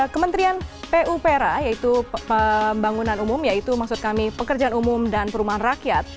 kementerian pupera yaitu pembangunan umum yaitu maksud kami pekerjaan umum dan perumahan rakyat